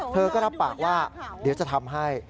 เธอก็รับปากว่าเดี๋ยวจะทำให้